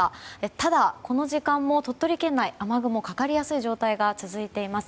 ただこの時間も鳥取県内雨雲がかかりやすい状態が続いてます。